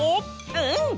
うん！